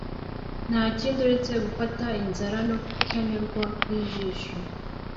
Ntakindi uretse gufata inzara no kutanyurwa kwijisho